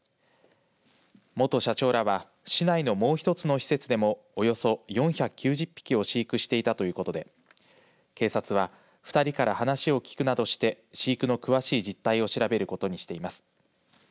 元社長らは市内のもう１つの施設でもおよそ４９０匹を飼育していたということで警察は２人から話を聞くなどして飼育の詳しい実態を調べることにしています。